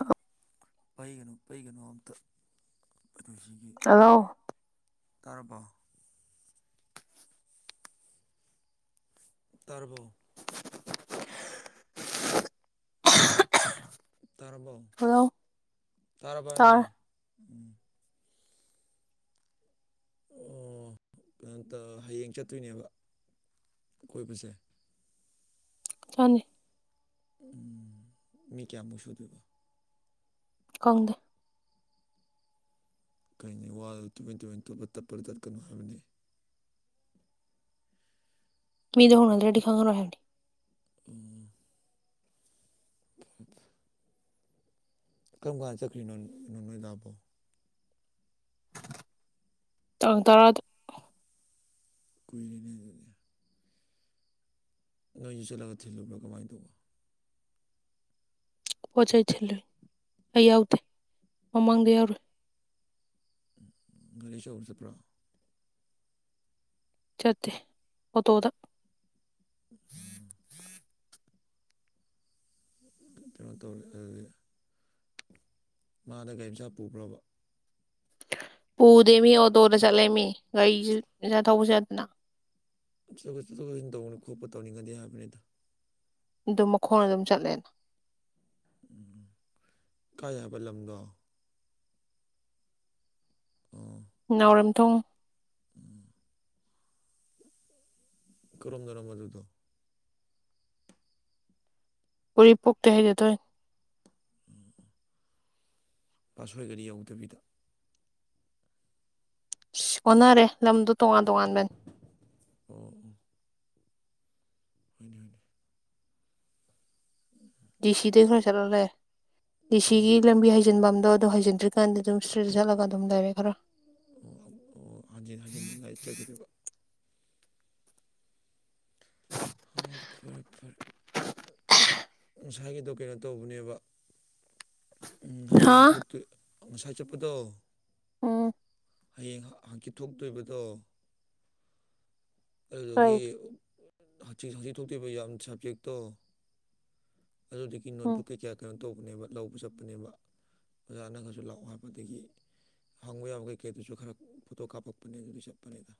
ꯑ ꯄꯩꯒꯅꯨ ꯄꯩꯒꯅꯨ ꯑꯝꯇ ꯑꯗꯨꯁꯤꯒꯤ ꯍꯜꯂꯣ ꯇꯔꯕꯣ ꯇꯔꯕꯣ ꯇꯥꯔꯕꯣ ꯍꯜꯂꯣ ꯇꯥꯔꯕ ꯍꯥꯏꯕꯅꯦ ꯇꯥꯔꯦ ꯎꯝ ꯑꯣ ꯀꯩꯅꯣꯇ ꯍꯌꯦꯡ ꯆꯠꯇꯣꯏꯅꯦꯕ ꯀꯣꯏꯕꯁꯦ ꯄꯅꯤ ꯎꯝ ꯃꯤ ꯀꯌꯥꯃꯨꯛ ꯁꯨꯗꯣꯏꯕ ꯈꯪꯗꯦ ꯀꯩꯅꯦ ꯋꯥꯗꯨ ꯇꯨꯃꯤꯟ ꯇꯨꯃꯤꯟ ꯄꯠ ꯄꯠ ꯇꯠꯄꯗꯣ ꯇꯠꯀꯅꯣ ꯍꯥꯏꯕꯅꯦ ꯃꯤꯗꯣ ꯍꯪꯅꯗ꯭ꯔꯗꯤ ꯈꯪꯉꯔꯣꯏ ꯍꯥꯏꯕꯅꯦ ꯎꯝ [unintelligible] ꯀꯔꯝ ꯀꯥꯟꯗ ꯆꯠꯈ꯭ꯔꯤꯅꯣꯣ ꯅꯣꯏ ꯇꯕꯣ ꯇ ꯇꯔꯥ ꯀꯅꯦ ꯑꯗꯨꯅꯤ ꯅꯣꯏꯁꯨ ꯆꯠꯂꯒ ꯊꯤꯜꯂꯨ꯭ꯔꯥ ꯀꯃꯥꯏꯅ ꯇꯧꯕ ꯄꯆꯥꯏ ꯑꯩ ꯌꯥꯎꯗꯤꯦ ꯃꯃꯗ ꯌꯥꯎꯔ ꯔꯤꯦꯁ ꯎꯔ ꯆ ꯄ꯭ꯔꯥ ꯆꯠꯇꯦ ꯍ ꯇꯣꯗ ꯎꯝ ꯀꯩꯅꯣ ꯇꯧꯔꯤꯦꯗꯤ ꯃꯥꯗ ꯒꯥꯔꯤ ꯃꯆꯥ ꯄꯨꯕ꯭ꯔꯣꯕ ꯄꯨꯗꯦ ꯃꯤ ꯑꯣꯇꯣꯗ ꯆꯠꯂꯦ ꯃꯤ ꯒꯥꯔꯤ ꯆꯠ ꯊꯧꯕ ꯆꯠꯇꯅ ꯠ ꯆꯠꯊ ꯆꯠꯟ ꯇꯧꯕꯅꯤ ꯈꯣꯠꯄ ꯇꯧꯅꯤꯡꯒꯗꯦ ꯍꯥꯏꯕꯅꯤꯗ ꯑꯗꯨꯝ ꯃꯈꯣꯡ ꯑꯗꯨꯝ ꯆꯠꯂꯦꯅ ꯎꯝ ꯀꯥ ꯌꯥꯕ ꯂꯝꯗꯣ ꯑꯥ ꯅꯥꯎꯔꯦꯝꯝꯊꯣꯡ ꯀꯝꯖꯔꯝ ꯃ ꯑꯗꯨ ꯊꯣ ꯎꯔꯤꯄꯣꯛꯇ ꯍꯩꯖꯗꯣꯏ ꯎꯝ ꯄꯥꯁꯣꯏꯒꯅꯤ ꯌꯧꯗꯕꯤꯗ ꯑ ꯍꯣꯠꯅꯔꯦ ꯂꯝꯗꯣ ꯇꯣꯉꯥꯟ ꯇꯣꯉꯥꯟꯕꯅꯤ ꯑꯣꯥ ꯑꯣ ꯍ ꯍꯅꯤ ꯎꯝ ꯗꯤ ꯁꯤꯗꯩ ꯈꯔ ꯆꯠꯂꯂꯦ ꯗꯤ ꯁꯤꯒꯤ ꯑꯣ ꯂꯝꯕꯤ ꯍꯩꯖꯤꯟꯕ ꯑꯝꯗꯣ ꯑꯗꯣ ꯍꯖꯤꯟꯗ꯭ꯔꯤꯥꯟꯗꯤ ꯑꯗꯨꯝ ꯏꯁꯇ꯭ꯔꯦꯠ ꯆꯠꯂꯒ ꯑꯗꯨꯝ ꯂꯩꯔꯦ ꯈꯔ ꯑꯣ ꯑꯣ ꯍꯟꯖꯤꯟ ꯍꯟꯖꯤꯟ ꯉꯥꯏ ꯆꯠꯈꯤꯗꯕ ꯑꯣ ꯐꯔꯦ ꯐꯔꯦ ꯉꯁꯥꯏꯒꯤꯗꯣ ꯀꯩꯅꯣ ꯇꯧꯕꯅꯦꯕ ꯎꯝ ꯍꯥ ꯍꯌꯦꯡ ꯊꯣꯛꯇꯨ ꯉꯁꯥꯏ ꯆꯠꯄꯗꯣ ꯎꯝ ꯍꯌꯦꯡ ꯍꯥꯡꯀꯤꯤꯠ ꯊꯣꯛꯇꯣꯏꯕꯗꯣ ꯀꯩ ꯑꯗꯨꯗꯒꯤ ꯍꯆꯤ ꯊꯣꯛꯇꯤꯕ ꯌꯥꯝ ꯁꯕꯖꯦꯛꯇꯣ ꯑꯗꯨꯗꯨꯒꯤ ꯎꯝ ꯅꯣꯠꯕꯨꯛ ꯀꯩ ꯀꯌꯥ ꯀꯩꯅꯣ ꯇꯧꯕꯅꯦꯕ ꯂꯧꯕ ꯆꯠꯄꯅꯦꯕ ꯑꯣꯖꯥꯅꯪꯅꯖꯨ ꯂꯥꯛꯑꯣ ꯍꯥꯏꯕꯗꯒꯤ ꯍꯪꯕ ꯌꯥꯕ ꯀꯩꯀꯩꯗꯨꯁꯨ ꯈꯔ ꯐꯣꯇꯣ ꯀꯥꯞꯄꯛꯄꯅꯦ ꯑꯗꯨꯒꯤ ꯆꯠꯄꯅꯤꯗ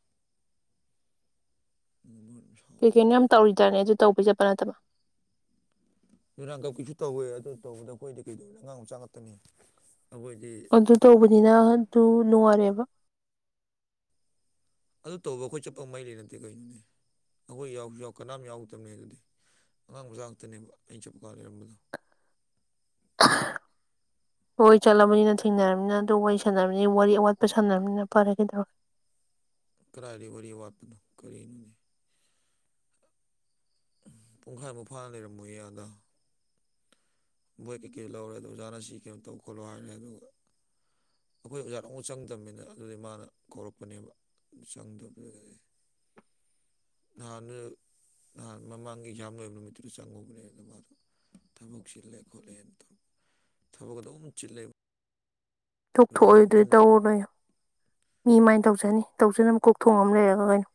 [unintelligible] ꯀꯩ ꯀꯩꯅꯣ ꯌꯥꯝ ꯇꯧꯔꯤꯗꯅꯦ ꯑꯗꯨ ꯇꯧꯕꯩ ꯆꯠꯄ ꯅꯠꯇꯕ ꯗꯨꯔꯥꯟ ꯀꯞꯀꯤꯁꯨ ꯇꯧꯋꯦ ꯑꯗꯨ ꯇꯧꯕꯗ ꯑꯩꯈꯣꯏꯗꯤ ꯀꯩꯗꯧꯅꯤ ꯑꯉꯥꯡ ꯃꯆꯥ ꯉꯥꯛꯇꯅꯤ ꯑꯩꯈꯣꯏꯗꯤ ꯑꯗꯨ ꯇꯧꯕꯅꯤꯅ ꯑꯗꯨ ꯅꯨꯡꯉꯥꯏꯔꯦꯕ ꯑꯗꯨ ꯇꯧꯕ ꯑꯩꯈꯣꯏ ꯆꯠꯄ ꯃꯩ ꯂꯩ ꯅꯠꯇꯦ ꯀꯩꯅꯣꯅꯦ ꯑꯩꯈꯣꯏ ꯌꯥꯎꯁꯨ ꯌꯥꯎ ꯀꯅꯥꯝ ꯌꯥꯎꯗꯕꯅꯦ ꯑꯗꯨꯗꯤ ꯑꯉꯥꯡ ꯃꯆꯥꯥꯛ ꯉꯥꯛꯇꯅꯦꯕ ꯑꯩ ꯆꯞꯄꯀꯥ ꯂꯩꯔꯝꯕꯗꯣ [unintelligible] ꯍꯣꯏ ꯆꯠꯂꯕꯅꯤꯅ ꯊꯦꯡꯅꯔꯕꯃꯤꯅꯤꯅ ꯑꯗꯨ ꯋꯥꯔꯤ ꯁꯥꯟꯅꯅꯕꯃꯤꯅꯤꯅ ꯋꯥꯔꯤ ꯑꯋꯥꯠꯄ ꯁꯥꯟꯅꯅꯕꯃꯤꯅꯤꯅ ꯐꯔꯦ ꯀꯩꯗꯧꯔꯒꯦ ꯀꯗꯥꯥꯏꯔꯤ ꯋꯥꯔꯤ ꯋꯥꯠꯄꯅꯣ ꯀꯔꯤꯅꯣꯅꯦ ꯄꯨꯡꯈꯥꯏꯃꯨꯛ ꯐꯥ ꯂꯩꯔꯝꯃꯣꯏ ꯑꯗ ꯕꯣꯏ ꯀꯩꯀꯩ ꯂꯧꯔꯦꯗꯣ ꯑꯣꯖꯥꯅ ꯁꯤ ꯀꯩꯅꯣ ꯇꯧ ꯈꯣꯠꯂꯣ ꯍꯥꯏꯔꯦ ꯑꯗꯨꯒ ꯑꯩꯈꯣꯏ ꯑꯣꯖꯥꯗ ꯑꯃꯨꯛ ꯆꯪꯗꯝꯕꯅꯤꯅ ꯑꯗꯨꯗꯤ ꯃꯥꯅ ꯀꯧꯔꯛꯄꯅꯦꯕ ꯆꯪꯗꯕꯒꯔꯦ ꯅꯍꯅ ꯅꯍꯥꯟ ꯃꯃꯥꯡꯒꯤ ꯑꯦꯛꯖꯥꯝ ꯂꯣꯏꯕ ꯅꯨꯃꯤꯠꯇꯨ ꯆꯪꯉꯨꯕꯅꯦ ꯑꯗꯨꯗ ꯃꯥꯗꯣ ꯊꯕꯛ ꯆꯤꯜꯂꯦ ꯈꯣꯠꯂꯦꯟꯗꯣ ꯊꯕꯛ ꯑꯗꯨꯝ ꯆꯤꯜꯂꯩ ꯇꯣꯛꯊꯣꯛꯑꯣꯌꯨ ꯑꯗꯨꯗꯤ ꯇꯧꯔꯨꯅꯣꯌꯣ ꯃꯤ ꯃꯥꯏꯅ ꯇꯧꯖꯅꯤ ꯇꯧꯖꯅꯕ ꯀꯣꯛ ꯊꯣꯡ ꯑꯃ ꯂꯩꯔꯒ ꯀꯩꯅꯣ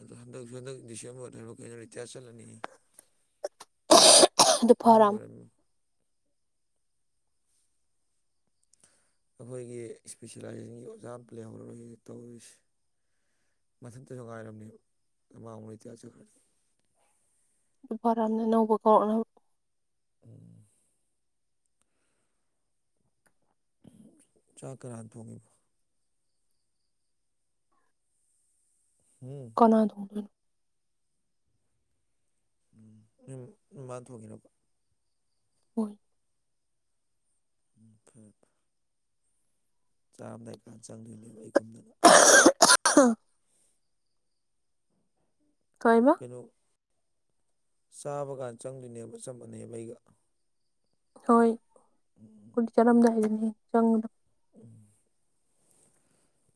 ꯑꯗꯣ ꯍꯟꯗꯛꯁꯨ ꯍꯟꯗꯛ ꯗꯤꯁꯦꯝꯕꯔꯗ ꯍꯥꯏꯕꯔ ꯀꯩꯅꯣ ꯔꯤꯇꯌꯥꯔ ꯆꯠꯂꯅꯤꯌꯦ ꯑꯍꯟ ꯗꯨꯐꯥꯔꯥꯝ ꯑꯣꯏꯔꯝꯃꯤ ꯑꯩꯈꯣꯏꯒꯤ ꯏꯁꯄꯤꯁꯦꯂꯥꯏꯖꯦꯁꯟꯒꯤ ꯑꯣꯖꯥ ꯑꯃꯇ ꯂꯩꯍꯔꯣꯏꯌꯦ ꯇꯧꯔꯤꯁꯦ ꯃꯊꯟꯇꯁꯨ ꯉꯥꯏꯔꯝꯅꯦꯕ ꯑꯗꯨ ꯃꯥ ꯑꯃꯨꯛ ꯔꯤꯇꯌꯥꯔ ꯆꯠꯈ꯭ꯔꯅꯤ ꯗꯨ ꯐꯔꯝꯅꯦ ꯑꯅꯧꯕ ꯀꯧꯔꯛꯅꯕ ꯎꯝ ꯆꯥꯛ ꯀꯅꯥ ꯊꯣꯡꯉꯤꯕ ꯍꯝ ꯀꯅꯥ ꯊꯣꯡꯗꯣꯏꯅꯣ ꯎꯝ ꯅꯣꯏ ꯅꯣꯏ ꯃꯥꯅ ꯊꯣꯡꯉꯤꯔꯥꯕ ꯍꯣꯏ ꯐꯔꯦ ꯆꯥꯔꯝꯗꯥꯏ ꯀꯥꯟꯗ ꯆꯪꯗꯣꯏꯅꯦꯕ ꯑꯩꯒꯨꯝꯗꯅ ꯀꯩꯌꯦꯕ ꯀꯩꯅꯣ ꯆꯥꯕ ꯀꯥꯟ ꯆꯪꯗꯣꯏꯅꯦꯕ ꯆꯞ ꯃꯥꯅꯩꯌꯦꯕ ꯑꯩꯒ ꯍꯣꯏ ꯈꯣꯏꯗꯤ ꯆꯥꯔꯝꯗꯥꯏꯗꯅꯤ ꯆꯪꯕꯗ ꯎꯝ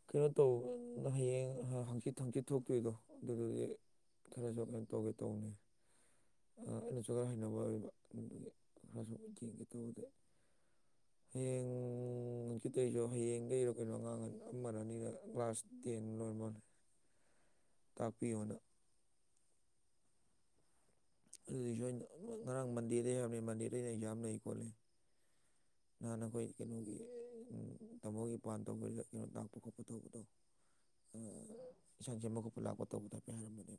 ꯀꯩꯅꯣ ꯇꯧꯑꯣ ꯍꯌꯦꯡ ꯍꯪꯆꯤꯠ ꯍꯪꯆꯤꯠ ꯊꯣꯛꯇꯣꯏꯗꯣ ꯑꯗꯨꯗꯨꯒꯤ ꯈꯔꯁꯨ ꯀꯩꯅꯣ ꯇꯧꯒꯦ ꯇꯧꯅꯦ ꯑꯩꯅꯁꯨ ꯈꯔ ꯍꯩꯅꯕ ꯑꯣꯏꯔꯤꯕ ꯑꯗꯨꯒꯤ ꯈꯔꯁꯨ ꯌꯦꯡꯒꯦ ꯇꯧꯕꯗ ꯍꯌꯦꯡ ꯎꯝ ꯍꯪꯆꯤꯠꯇꯩꯖꯨ ꯍꯌꯦꯡꯗꯩꯔꯣ ꯀꯩꯅꯣ ꯑꯉꯥꯡ ꯑꯃ ꯑꯃꯔ ꯑꯅꯤꯔ ꯀ꯭ꯂꯥꯁ ꯇꯦꯟ ꯂꯣꯏꯔ ꯃꯥꯟꯂꯦ ꯇꯥꯛꯄꯤꯌꯨ ꯅꯪ ꯑꯗꯨꯗꯤ ꯁꯣꯏꯅ ꯉꯔꯥꯡ ꯃꯟꯗꯦꯗꯩ ꯍꯥꯏꯕꯅꯤ ꯃꯟꯗꯦꯗꯩꯅꯦ ꯑꯦꯛꯖꯥꯝ ꯂꯩꯌꯦ ꯈꯣꯠꯂꯦ ꯅꯍꯥꯟ ꯑꯩꯈꯣꯏ ꯀꯩꯅꯣꯒꯤ ꯇꯥꯃꯣꯒꯤꯄꯥꯟ ꯇꯧꯕꯗ ꯀꯩꯅꯣ ꯇꯥꯛꯄ ꯈꯣꯠꯄ ꯇꯧꯕꯗꯣ ꯏꯟꯁꯥꯡ ꯁꯦꯝꯕ ꯈꯣꯠꯄ ꯂꯥꯛꯄ ꯇꯧꯕꯗ ꯍꯥꯏꯐꯦꯠ ꯍꯥꯏꯐꯦꯠ ꯍꯥꯏꯔꯝꯕꯅꯦ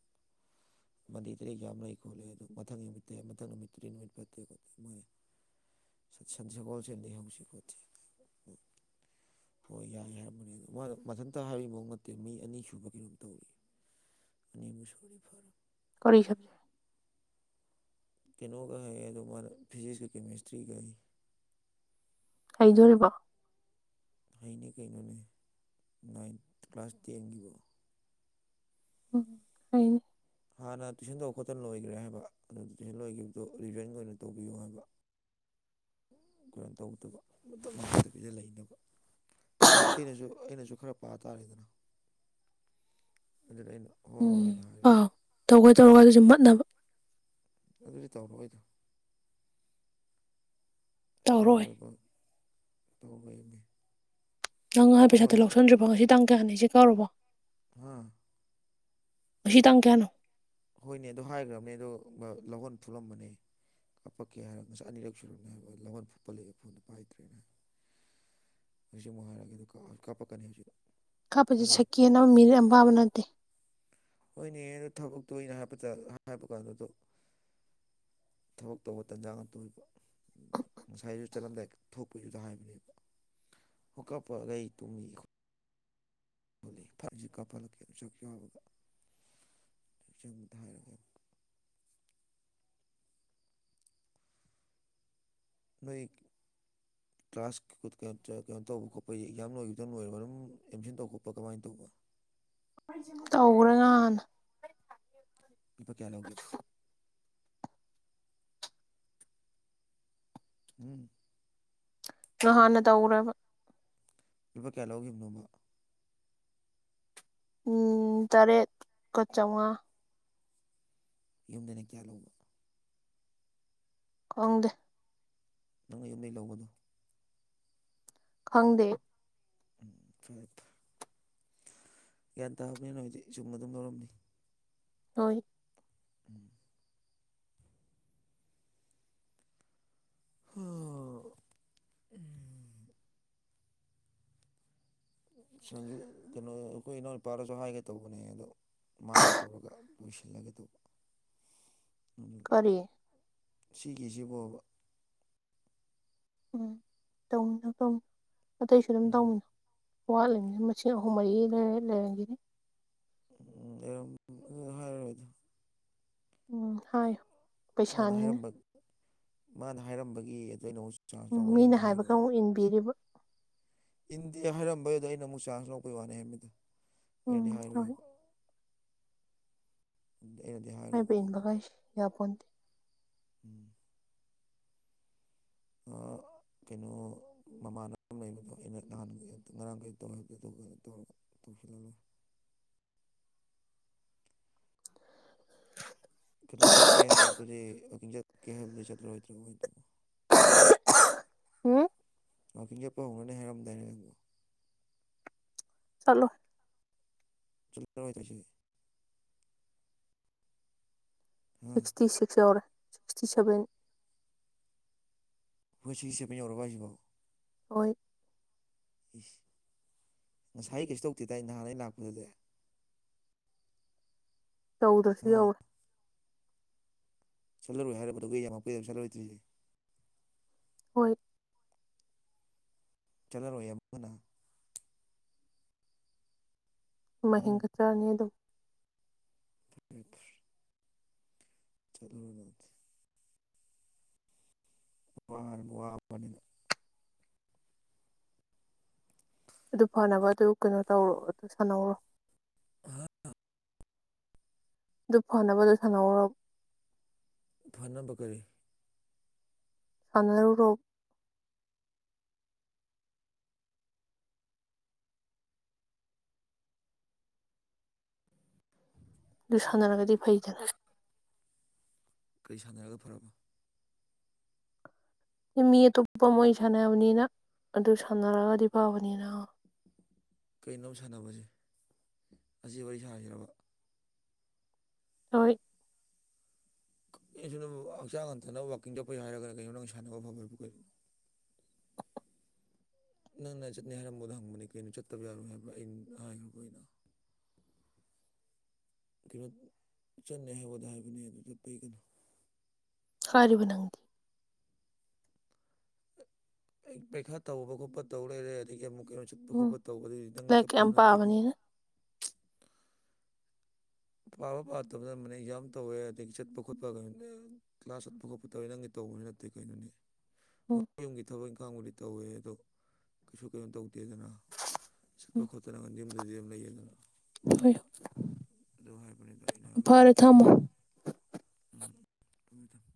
ꯃꯟꯗꯦꯗ ꯑꯦꯛꯖꯥꯝ ꯂꯩꯩ ꯈꯣꯠꯂꯦ ꯑꯗꯨ ꯃꯊꯪ ꯅꯨꯃꯤꯠꯇ ꯃꯊꯪ ꯅꯨꯃꯤꯠ ꯇꯨꯗꯤ ꯅꯣꯏ ꯐꯠꯇꯦ ꯈꯣꯠꯇꯦ ꯃꯣꯏ [unintelligible] ꯁꯠ ꯁꯠ ꯁꯒꯣꯜꯁꯗ ꯍꯧꯁꯤ ꯈꯣ ꯍꯣꯏ ꯌꯥꯏ ꯍꯥꯏꯔꯝꯕꯅꯦ ꯑꯗ ꯃꯥ ꯃꯊꯟꯇ ꯍꯥꯏꯔꯤꯐꯧ ꯅꯠꯇꯦ ꯃꯤ ꯑꯅꯤ ꯁꯨꯕ ꯀꯩꯅꯣꯝ ꯇꯧꯔꯤ ꯑꯅꯤ ꯃꯨꯁꯔꯤ ꯐꯔ [unintelligible] ꯀꯩꯅꯣꯒ ꯍꯌꯦ ꯑꯗꯣ ꯃꯥꯅ ꯐꯤꯖꯤꯛꯁꯀ ꯀꯦꯃꯤꯁꯇ꯭ꯔꯤꯒ ꯍꯩ ꯂꯩꯗꯣꯔꯤꯕꯣ ꯍꯥꯏꯅꯦ ꯀꯩꯅꯣꯅꯦ ꯅꯥꯏꯟ ꯀ꯭ꯂꯥꯁ ꯇꯦꯟꯒꯤꯕꯣ ꯎꯝ ꯍꯅꯤ ꯍꯥꯟꯅ ꯇꯨꯏꯁꯟ ꯇꯧ ꯈꯣꯠꯇꯅ ꯂꯣꯏꯒ꯭ꯔꯦ ꯍꯥꯏꯕ ꯑꯗꯨ ꯇꯨꯏꯁꯟ ꯂꯣꯏꯒꯤꯕꯗꯨ ꯔꯤꯖꯟ ꯑꯣꯏꯅ ꯇꯧꯕꯤꯌꯨ ꯍꯥꯏꯕ [inaudible] ꯀꯩꯅꯣ ꯇꯧꯗꯕ ꯃꯇꯝ ꯃꯥꯡꯗꯕꯤꯗ ꯂꯩꯅꯕ ꯑꯦꯁ ꯑꯩꯅꯖꯨ ꯑꯩꯅꯖꯨ ꯈꯔ ꯄꯥ ꯇꯥꯔꯦꯗꯅ ꯑꯗꯨꯅ ꯑꯩꯅ ꯍꯣꯏ ꯍꯣꯏ ꯎꯝ ꯍꯥꯏꯅ ꯍꯥꯏꯔꯕꯅꯤ ꯄꯥꯎ ꯇꯧꯒꯦ ꯇꯧꯔꯒ ꯑꯗꯨꯁꯨ ꯃꯠꯅꯕ ꯑꯗꯨꯗꯤ ꯇꯧꯔꯛꯑꯣꯏꯗ ꯇꯧꯔꯣꯏ ꯇꯧꯔꯣꯏꯀꯣ ꯇꯧꯔꯣꯏꯃꯤ ꯅꯪ ꯉꯍꯥꯟ ꯄꯩꯁꯥꯇꯣ ꯑꯃꯗꯨ ꯂꯧꯁꯟꯗ꯭ꯔꯤꯕꯣ ꯉꯁꯤ ꯇꯥꯡ ꯀꯌꯥꯅꯦꯁꯦ ꯀꯥꯎꯔꯕꯣ ꯍꯥ ꯉꯁꯤ ꯇꯥꯡ ꯀꯌꯥꯅꯣ ꯍꯣꯏꯅꯦ ꯑꯗꯨ ꯍꯥꯏꯒ꯭ꯔꯕꯅꯦ ꯑꯗꯣ ꯂꯧꯍꯣꯟ ꯐꯨꯠꯂꯝꯕꯅꯦ ꯍꯥꯞꯄꯛꯀꯦ ꯍꯥꯏꯔ ꯉꯁꯥꯏ ꯑꯅꯤꯔꯛ ꯁꯨꯔꯕꯅꯦ ꯍꯥꯏꯕ ꯂꯧꯍꯣꯟ ꯐꯨꯛꯄ ꯂꯣꯏꯔ ꯐꯣꯟꯗꯣ ꯄꯥꯏꯗ꯭ꯔꯦꯅꯦ ꯍꯧꯖꯤꯛ ꯑꯃꯨꯛ ꯍꯥꯏꯔꯒꯦ ꯑꯗꯨꯀ ꯀꯥꯞꯄꯛꯀꯅꯤ ꯑꯁꯤꯗ ꯀꯥꯞꯄꯖꯦ ꯁꯦꯛꯀꯦꯟ ꯑꯃ ꯃꯤꯅꯤꯠ ꯑꯃ ꯐꯥꯕ ꯅꯠꯇꯦ ꯍꯣꯏꯅꯦ ꯑꯗꯣ ꯊꯕꯛꯇꯣ ꯑꯩꯅ ꯍꯥꯏꯕꯇ ꯍꯥꯏꯕ ꯀꯥꯟꯗ ꯑꯗꯣ ꯊꯕꯛ ꯇꯧꯕ ꯇꯟꯖꯥ ꯉꯥꯛꯇ ꯑꯣꯏꯕ ꯉꯁꯥꯏꯖꯨ ꯆꯠꯂꯝꯗꯥꯏ ꯊꯣꯛꯄꯩꯗꯨꯗ ꯍꯥꯏꯕꯅꯦꯕ ꯍꯣꯀꯞ ꯄꯔꯩ ꯇꯨꯝꯃꯤ [unintelligible] ꯅꯣꯏ [inaudible] ꯀ꯭ꯂꯥꯁ ꯀꯩꯅꯣ ꯇꯧꯕ ꯈꯣꯠꯄꯩꯗꯤ ꯑꯦꯛꯖꯥꯝ ꯂꯣꯏꯒꯤꯕꯗ ꯑꯗꯨꯝ ꯂꯣꯏꯔꯕ ꯑꯗꯨꯝ ꯑꯦꯠꯃꯤꯁꯟ ꯇꯧ ꯈꯣꯠꯄ ꯀꯃꯥꯏ ꯇꯧꯕ ꯇꯧꯒ꯭ꯔꯦ ꯉꯍꯥꯟꯅ ꯂꯨꯄꯥ ꯀꯌꯥ ꯂꯧꯒꯦ ꯍꯨꯝ ꯉꯍꯥꯟꯅ ꯇꯧꯒ꯭ꯔꯦꯕ ꯂꯨꯄꯥ ꯀꯌꯥ ꯂꯧꯒꯤꯝꯅꯣꯕ ꯎꯝ ꯇꯔꯦꯠꯀ ꯆꯥꯎꯉꯥ ꯌꯨꯝꯗꯩꯅ ꯀꯌꯥ ꯂꯧꯕ ꯈꯪꯗꯦ ꯅꯪ ꯌꯨꯝꯗꯩ ꯂꯧꯕꯗꯣ ꯈꯪꯗꯦ ꯎꯝ ꯐꯔꯦ ꯐ ꯒ꯭ꯌꯥꯟ ꯇꯥꯕꯅꯤꯅ ꯍꯧꯖꯤꯛ ꯆꯨꯝꯅ ꯑꯗꯨꯝ ꯂꯧꯔꯝꯅꯤ ꯍꯣꯏ ꯎꯝ ꯍꯥ ꯁꯟꯖꯨ ꯀꯩꯅꯣ ꯑꯩꯈꯣꯏ ꯏꯅꯥꯎꯅꯨꯄꯥꯗꯁꯨ ꯍꯥꯏꯒꯦ ꯇꯧꯕꯅꯦ ꯑꯩꯗꯣ ꯃꯥꯒ ꯇꯧꯔꯒ ꯂꯣꯏꯁꯤꯜꯂꯒꯦ ꯇꯧꯕ ꯀꯔꯤ ꯁꯤꯒꯤꯖꯤꯕꯣꯕ ꯎꯝ ꯇꯧꯃꯤꯟꯅꯧ ꯇꯝ ꯑꯇꯩꯁꯨ ꯑꯗꯨꯝ ꯎꯝ ꯇꯧꯃꯤꯡ ꯋꯥꯠꯂꯤꯝꯅꯤꯅ ꯃꯁꯤꯡ ꯑꯍꯨꯝ ꯃꯔꯤ ꯂꯩꯔ ꯂꯩꯔꯝꯒꯤꯅꯤ ꯎꯝ ꯑꯦꯝ ꯎꯝ ꯑ ꯍꯥꯏꯔꯔꯣꯏꯗ ꯎꯝ ꯍꯥꯏ ꯃꯥꯅ ꯍꯥꯏꯔꯝꯕ ꯃꯥꯅ ꯍꯥꯏꯔꯝꯕꯒꯤ ꯑꯗꯩꯅꯣꯁ ꯆꯥꯟꯁ ꯎꯝ ꯃꯤꯅ ꯂꯧꯕꯅꯦꯕꯨꯗꯤ ꯍꯥꯏꯕꯒ ꯍꯥꯏꯔꯣꯏ ꯑꯃꯨꯛ ꯏꯟꯕꯤꯔꯤꯕ ꯏꯟꯗꯦ ꯍꯥꯏꯔꯝꯕꯩ ꯑꯗ ꯑꯩꯅ ꯑꯃꯨꯛ ꯆꯥꯟꯁ ꯂꯧꯕꯩ ꯋꯥꯅꯦ ꯍꯥꯏꯕꯅꯤꯗ ꯑꯩꯅꯗꯤ ꯎꯝ ꯍꯣꯏ ꯍꯥꯏꯔꯣꯏꯕ ꯑꯩꯅꯗꯤ ꯍꯥꯏꯕ ꯍꯥꯏꯔꫭꯏꯕ ꯎꯝ ꯏꯟꯕꯒ ꯍꯥꯏꯁꯦ ꯌꯥꯄꯣꯟꯇꯦ ꯑꯣ ꯀꯩꯅꯣ ꯃꯃꯥꯟꯅꯕ ꯂꯩꯕꯗꯣ ꯑꯩꯅ ꯅꯍꯥꯟꯒꯩ ꯉꯔꯥꯡ ꯀꯩ ꯇꯧ ꯍꯦꯛꯇ ꯇꯧ ꯇꯧ ꯐꯤꯜꯜꯣ [inaudible] ꯀꯩꯅꯣ ꯆꯠꯀꯦ ꯍꯥꯏꯕꯗꯨꯗꯤ ꯋꯥꯀꯤꯡ ꯆꯠꯀꯦ ꯍꯥꯏꯕꯗꯨꯗꯤ ꯆꯠꯂꯔꯣꯏꯗ꯭ꯔꯥ ꯀꯃꯥꯏꯅ ꯇꯧꯕ ꯎꯝ ꯋꯥꯛꯀꯤꯡ ꯆꯠꯄ ꯍꯧꯅꯅꯤ ꯍꯥꯏꯔꯝꯗꯥꯏꯅꯦ ꯅꯪꯕꯨ ꯆꯠꯂꯣꯏ ꯆꯠꯂꯣꯏ ꯍꯥ sixty six or sixty seven ꯅꯣꯏ ꯁꯤꯛꯁꯇꯤ ꯁꯄꯦꯟ ꯌꯧꯔꯕ ꯍꯥꯏꯁꯤꯕꯣ ꯍꯣꯏ ꯍꯁ ꯉꯁꯥꯏ ꯀꯩꯁꯨ ꯇꯧꯗꯦꯗ ꯅꯍꯥꯟ ꯑꯩ ꯂꯥꯛꯄꯗꯨꯗꯤ ꯇꯧꯗꯁꯤ ꯍꯥ ꯌꯧꯏ ꯆꯠꯂꯔꯣꯏ ꯍꯥꯏꯔꯕ ꯀꯩꯗꯧꯕꯒꯤ UNINTELLIGIBLE ꯆꯠꯂꫭꯏꯗꯔꯤꯁꯦ ꯍꯣꯏ ꯆꯠꯂꯔꯣꯏ ꯑꯃꯨꯛ ꯍꯟꯅꯥ ꯑꯃ ꯎꯝ ꯍꯦꯟꯒꯠꯇ꯭ꯔꯗꯤ ꯑꯗꯨꯝ ꯑ [inaudible] ꯆꯠꯂꯨ UNINTELLIGIBLE ꯋꯥꯔ ꯋꯥꯕꯅꯤꯅ ꯑꯗꯨ ꯐꯅꯕ ꯑꯗꯨ ꯀꯩꯅꯣ ꯇꯧꯔꯣ ꯑꯗꯨ ꯁꯥꯟꯅꯧꯔꯣ ꯍꯥ ꯑꯗꯨ ꯐꯅꯕꯗꯣ ꯁꯥꯟꯅꯧꯔꯣ ꯐꯅꯕ ꯀꯔꯤ ꯁꯥꯟꯅꯔꯨꯔꫭ ꯑꯗꯨ ꯁꯥꯟꯅꯔꯒꯗꯤ ꯐꯩꯗꯅ ꯀꯔꯤ ꯁꯥꯟꯅꯔꯒ ꯐꯔꯕ ꯃꯤ ꯑꯇꯣꯞꯄ ꯃꯣꯏ ꯁꯥꯟꯅꯕꯅꯤꯅ ꯑꯗꯨ ꯁꯥꯟꯅꯔꯒꯗꯤ ꯐꯕꯅꯤꯅ ꯀꯩꯅꯣꯕ ꯁꯥꯟꯅꯕꯁꯦ ꯑꯁꯤ ꯋꯥꯔꯤ ꯁꯥꯏꯁꯤꯔ ꯍꯣꯏ ꯀꯩꯅꯣ ꯑꯗꯨꯝ ꯍꯛꯆꯥꯡ ꯍꯟꯊꯅ ꯋꯥꯛꯀꯤꯡ ꯆꯠꯄ ꯍꯥꯏꯔꯒꯅ ꯀꯩꯅꯣ ꯅꯪ ꯁꯥꯟꯅꯕ ꯐꯕ ꯍꯥꯏꯕ ꯀꯩꯅꫭ ꯅꯪ ꯅ ꯆꯠꯅꯤ ꯍꯥꯏꯔꯝꯕ ꯗꯨꯗ ꯍꯪꯕꯅꯦ ꯀꯩꯅꯣ ꯆꯠꯇꯕ ꯌꯥꯔꯣꯏ ꯍꯥꯏꯕ ꯑꯩꯅ ꯍꯥꯏꯈ꯭ꯔꯕ ꯑꯩꯅ ꯀꯩꯅꯣ ꯆꯠꯅꯤ ꯍꯥꯏꯕꯗ ꯍꯥꯏꯕꯅꯦ ꯑꯗꯨ ꯄꯩꯒꯅꯣ ꯍꯥꯏꯔꯤꯕ ꯅꯪꯗꯤ ꯑꯩ ꯄꯩꯈꯥ ꯇꯧꯕ ꯈꯣꯠꯄ ꯇꯧ ꯂꯩꯔꯦ ꯑꯗꯒꯤ ꯑꯃꯨꯛ ꯀꯩꯅꯣ ꯆꯠꯄ ꯎꯝ ꯈꯣꯠꯄ ꯇꯧꯕꯗ ꯅꯪꯗꯤ ꯂꯥꯏꯔꯤꯛ ꯌꯥꯝ ꯆꯠꯄꯁꯨ ꯅꯠꯇꯦ ꯀꯣ ꯄꯥꯕꯅꯤꯅ ꯄꯥꯕ ꯄꯥꯗꯕꯅ ꯑꯃꯅꯦ ꯑꯦꯛꯖꯥꯝ ꯇꯧꯋꯦ ꯑꯗꯒꯤ ꯆꯠꯄ ꯈꯣꯠꯄ ꯀ꯭ꯂꯥꯁ ꯆꯠꯄ ꯈꯣꯄ ꯇꯧꯋꯦ ꯅꯪꯗꯤ ꯇꯧꯕꯁꯨ ꯅꯠꯇꯦ ꯀꯩꯅꯣꯅꯦ ꯎꯝ ꯍꯣꯏ ꯌꯨꯝꯒꯤ ꯊꯕꯛ ꯏꯪꯈꯥꯡꯕꯨꯗꯤ ꯇꯧꯋꯦ ꯑꯗꯣ ꯀꯩꯁꯨ ꯀꯩꯅꯣ ꯇꯧꯗꯦꯗꯅ ꯆꯠꯄ ꯎꯝ ꯈꯣꯠꯇꯅ ꯌꯨꯝꯗꯗꯤ ꯑꯗꯨꯝ ꯂꯩꯌꯦꯗꯅ ꯍꯣꯏ ꯍꯣꯏ ꯑꯗꯨ ꯍꯥꯏꯕꯅꯤꯗ ꯑꯩꯅ ꯍꯥꯏꯕꯗꯤ ꯐꯔꯦ ꯊꯝꯃꯣ ꯎꯝ ꯊꯝꯃꯦ ꯊꯝꯃꯦ